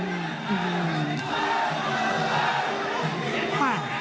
อืม